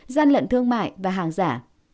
gian lận thương mại và hàng giả